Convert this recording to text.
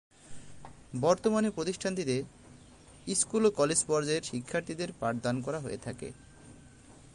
বর্তমানে প্রতিষ্ঠানটিতে স্কুল ও কলেজ পর্যায়ের শিক্ষার্থীদের পাঠদান করা হয়ে থাকে।